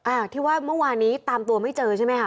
อ่าที่ว่าเมื่อวานนี้ตามตัวไม่เจอใช่ไหมคะ